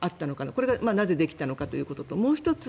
これがなぜできたのかということともう１つ